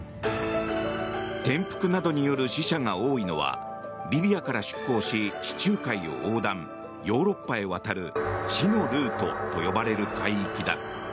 転覆などによる死者が多いのはリビアから出航し地中海を横断ヨーロッパへ渡る死のルートと呼ばれる海域だ。